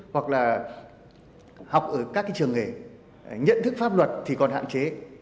hoặc là học ở các trường nghề nhận thức pháp luật thì còn hạn chế